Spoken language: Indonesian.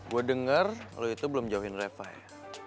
gue denger lo itu belum jauhin reva ya